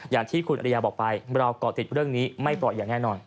อย่างที่เลย